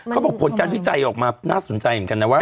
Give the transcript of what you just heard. เขาบอกผลจันทร์พิจัยออกมาน่าสนใจเหมือนกันนะว่า